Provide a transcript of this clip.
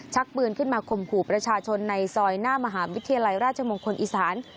ปืนขึ้นมาข่มขู่ประชาชนในซอยหน้ามหาวิทยาลัยราชมงคลอีสาน